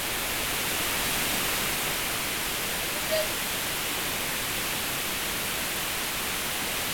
Wule sisi,